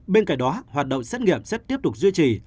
bên cạnh đó hoạt động xét nghiệm sẽ tiếp tục duy trì